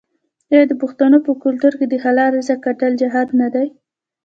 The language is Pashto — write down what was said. آیا د پښتنو په کلتور کې د حلال رزق ګټل جهاد نه دی؟